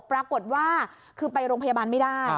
ปรากฏว่าคือไปโรงพยาบาลไม่ได้